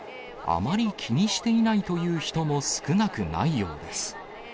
あまり気にしていないという人も少なくないようです。